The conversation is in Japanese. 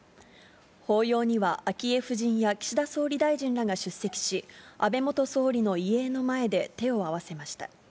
法要には、昭恵夫人や岸田総理大臣らが出席し、安倍元総理の遺影の前で手を合わせました。